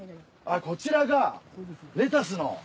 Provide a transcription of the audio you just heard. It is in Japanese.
あっこちらがレタスの。